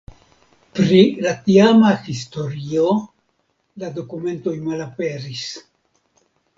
Pri la tiama historio la dokumentoj malaperis.